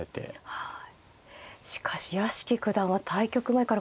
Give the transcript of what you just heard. はい。